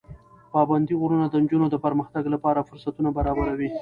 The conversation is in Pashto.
پابندي غرونه د نجونو د پرمختګ لپاره فرصتونه برابروي.